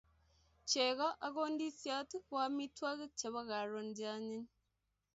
Chego ak ndisiot ko amitwogik chebo karon che anyiny